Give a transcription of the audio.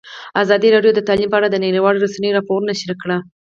ازادي راډیو د تعلیم په اړه د نړیوالو رسنیو راپورونه شریک کړي.